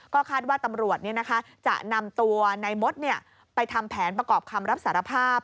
ก็คาดว่าตำรวจจะนำตัวนายมดไปทำแผนประกอบคำรับสารภาพ